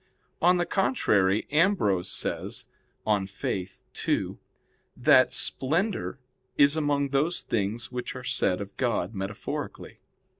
On the contrary, Ambrose says (De Fide ii) that "Splendor" is among those things which are said of God metaphorically.